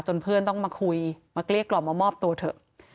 เพื่อนต้องมาคุยมาเกลี้ยกล่อมมามอบตัวเถอะ